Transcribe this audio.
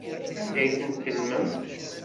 Anda ay tent-tellmem?